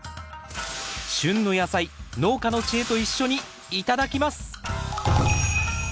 旬の野菜農家の知恵と一緒に頂きます！